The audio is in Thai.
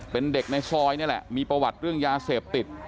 เป็นเด็กในซอยนี่แหละมีประวัติเรื่องยาเสพติด